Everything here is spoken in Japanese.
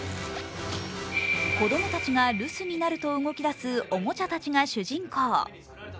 子供たちが留守になると動きだす、おもちゃたちが主人公。